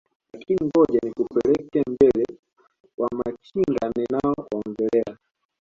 Lakin ngoja nikupeleke mbele Wamachinga ninao waongelea